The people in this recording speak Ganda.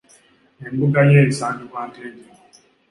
Embuga ye esangibwa Ntenjeru.